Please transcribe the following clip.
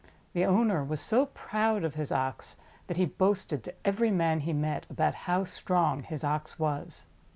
The owner was so proud of his Ox, that he boasted to every man he met about how strong his Ox was.